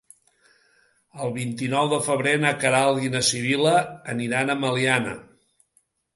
El vint-i-nou de febrer na Queralt i na Sibil·la aniran a Meliana.